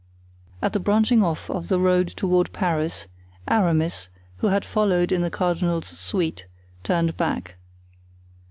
At the branching off of the road toward Paris, Aramis, who had followed in the cardinal's suite, turned back.